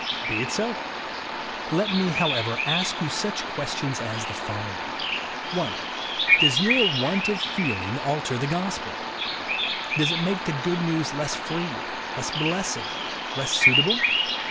Be it so. Let me, however, ask you such questions as the following :— 1. Does your want of feeling alter the gospel ? Does it make the good news less free, less blessed, less suitable